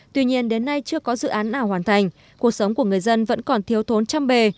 tuy nhiên đến nay chưa có dự án nào hoàn thành cuộc sống của người dân vẫn còn thiếu thốn trăm bề